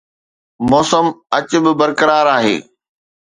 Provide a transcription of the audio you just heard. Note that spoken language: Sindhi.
موسم اڄ به برقرار آهي